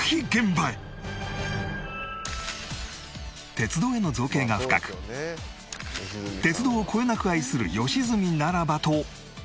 鉄道への造詣が深く鉄道をこよなく愛する良純ならばと